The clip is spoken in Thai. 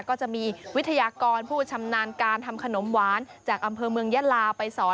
ก็จะมีวิทยากรผู้ชำนาญการทำขนมหวานจากอำเภอเมืองยะลาไปสอน